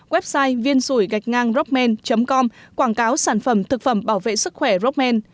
website viên rủi gạch ngang rockman com quảng cáo sản phẩm thực phẩm bảo vệ sức khỏe rockman